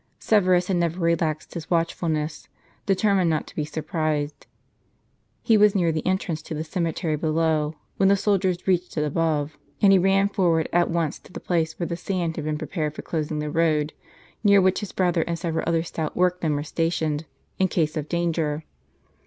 Severus had never relaxed his watch fulness, determined not to be surprised. He was neai the entrance to the cemetery below, when the soldiers reached it above ; and he ran forward at once to the place where the sand had been prepared for closing the road ; near which his brother and several other stout workmen were stationed, in case of danger.